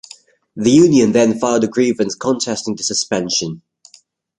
The union then filed a grievance contesting the suspension.